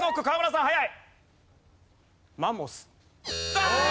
残念！